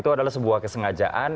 itu adalah sebuah kesengajaan